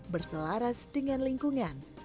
berselaras dengan lingkungan